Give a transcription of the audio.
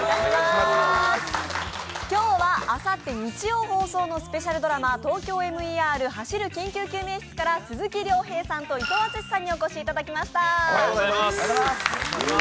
今日は、あさって日曜放送のスペシャルドラマ「ＴＯＫＹＯＭＥＲ走る緊急救命室」から鈴木亮平さんと伊藤淳史さんにお越しいただきました。